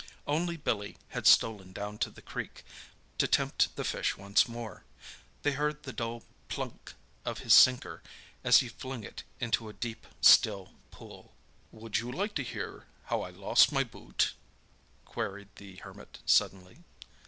Only Billy had stolen down to the creek, to tempt the fish once more. They heard the dull "plunk" of his sinker as he flung it into a deep, still pool. "Would you like to hear how I lost my boot?" queried the Hermit suddenly.